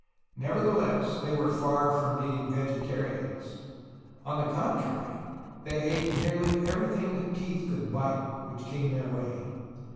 Nevertheless, they were far from being vegetarians. On the contrary they ate nearly everything that teeth could bite which came their way.